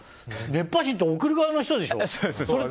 熱波師って送る側の人でしょ。